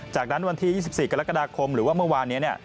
จากนั้นวันที่๒๔กรกฎาคมหรือว่าเมื่อวานนี้